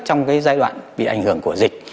trong giai đoạn bị ảnh hưởng của dịch